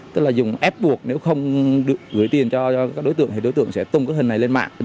tức là dùng ép buộc nếu không gửi tiền cho các đối tượng thì đối tượng sẽ tung các hình này lên mạng